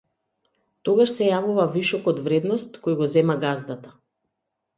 Тогаш се јавува вишокот вредност кој го зема газдата.